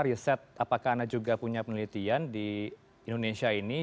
riset apakah anda juga punya penelitian di indonesia ini